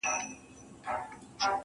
o داده ميني ښار وچاته څه وركوي.